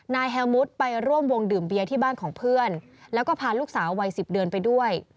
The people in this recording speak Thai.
แฮลมุทไปร่วมวงดื่มเบียร์ที่บ้านของเพื่อนแล้วก็พาลูกสาววัย๑๐เดือนไปด้วย